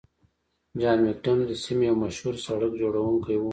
جان مکډم د سیمې یو مشهور سړک جوړونکی و.